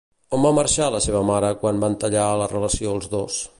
On va marxar la seva mare quan van tallar la relació els dos?